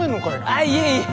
あいえいえ。